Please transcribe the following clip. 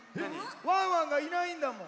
ワンワンがいないんだもん。